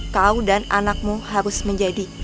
kau dan anakmu harus menjadi